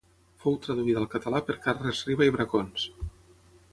Fou traduïda al català per Carles Riba i Bracons.